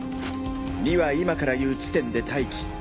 ２は今から言う地点で待機。